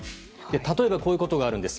例えばこういうことがあるんです。